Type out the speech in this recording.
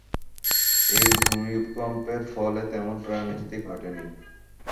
এই ভূমিকম্পের ফলে তেমন প্রাণঘাতী ঘটেনি।